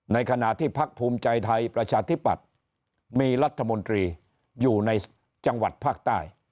ในขณะที่พักภูมิใจไทยประชาธิปัตย์มีรัฐมนตรีอยู่ในจังหวัดภาคใต้